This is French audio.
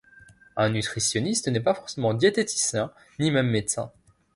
Un nutritionniste n'est pas forcément diététicien, ni même médecin.